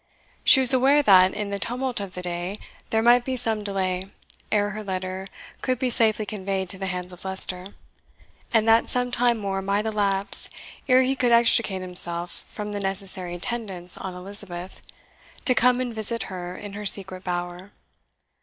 She was aware that, in the tumult of the day, there might be some delay ere her letter could be safely conveyed to the hands of Leicester, and that some time more might elapse ere he could extricate himself from the necessary attendance on Elizabeth, to come and visit her in her secret bower.